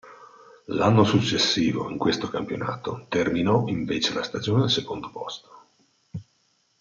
L'anno successivo, in questo campionato, terminò invece la stagione al secondo posto.